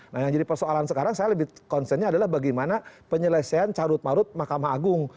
nah yang jadi persoalan sekarang saya lebih konsennya adalah bagaimana penyelesaian carut marut mahkamah agung